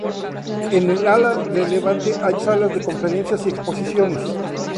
En el ala de levante hay salas de conferencias y exposiciones.